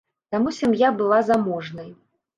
Таму сям'я была заможнай.